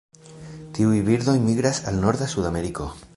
Tiuj birdoj migras al norda Sudameriko.